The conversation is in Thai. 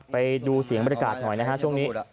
ไปดูเสียงบรรยากาศหน่อยนะฮะช่วงนี้